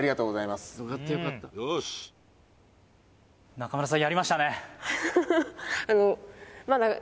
仲村さんやりましたね